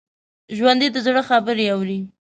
ژوندي د زړه خبرې اوري